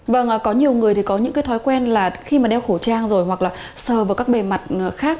vâng có nhiều người thì có những cái thói quen là khi mà đeo khẩu trang rồi hoặc là sờ vào các bề mặt khác